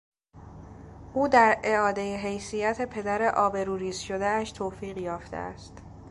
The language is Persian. او در اعادهی حیثیت پدر آبروریز شدهاش توفیق یافته است.